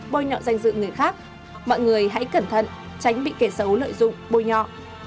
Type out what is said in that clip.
bôi nhọ danh dự người khác mọi người hãy cẩn thận tránh bị kẻ xấu lợi dụng bôi nhọ